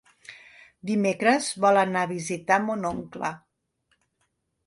Dimecres vol anar a visitar mon oncle.